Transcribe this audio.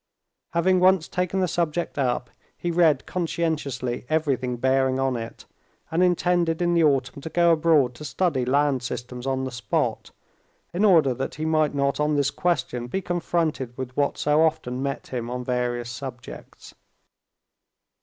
Having once taken the subject up, he read conscientiously everything bearing on it, and intended in the autumn to go abroad to study land systems on the spot, in order that he might not on this question be confronted with what so often met him on various subjects.